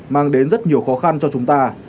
mang đến rất nhiều khó khăn cho chúng ta